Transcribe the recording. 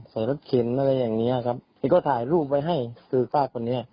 ใส่รัสกินอะไรอย่างนี้ครับที่ก็ถ่ายรูปไว้ให้คือฝ้าคนนี้